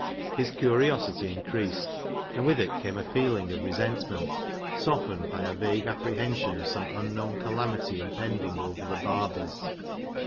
His curiosity increased, and with it came a feeling of resentment softened by a vague apprehension of some unknown calamity impending over the Barbers.